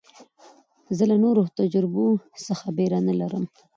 زه له نوو تجربو څخه بېره نه لرم.